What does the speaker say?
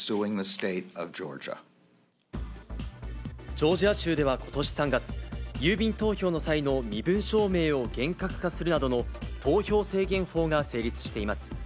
ジョージア州ではことし３月、郵便投票の際の身分証明を厳格化するなど、投票制限法が成立しています。